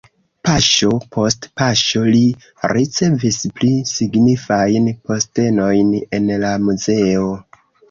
Paŝo post paŝo li ricevis pli signifajn postenojn en la muzeo.